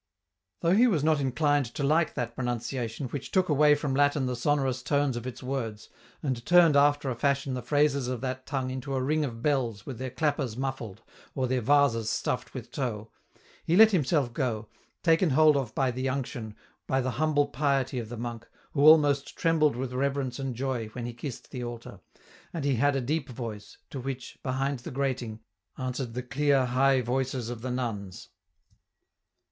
Though he was not inclined to like that pronunciation which took away from Latin the sonorous tones of its words, and turned after a fashion the phrases of that tongue into a ring of bells with their clappers muffled or their vases stuffed with tow, he let himself go, taken hold of by the unction, by the humble piety of the monk, who almost tiembled with reverence and joy when he kissed the altar, EN ROUTE. 133 and he had a deep voice, to which, behind the grating, answered the clear high voices of the nuns.